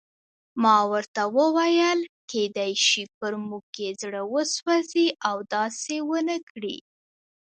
ما ورته وویل: کېدای شي پر موږ یې زړه وسوځي او داسې ونه کړي.